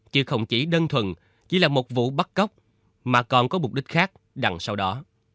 chứ không chỉ đơn thuần chỉ là một vụ bắt cóc mà còn có mục đích khác đằng sau đó